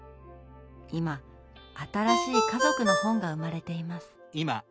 今新しい家族の本が生まれています。